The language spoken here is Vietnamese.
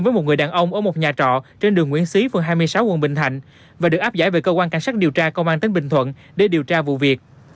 và mang tới bình thuận để điều tra vụ việc